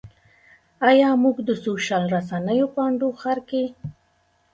ایا موږ د سوشل رسنیو په انډوخر کې.